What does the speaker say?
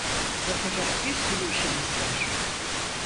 Yapacak bir sürü işimiz var.